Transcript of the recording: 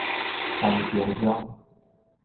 三星鄉